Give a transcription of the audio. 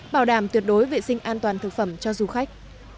bảo đảm tuyệt đối vệ sinh an toàn thực phẩm cho du khách